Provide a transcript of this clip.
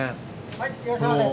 はいいらっしゃいませ。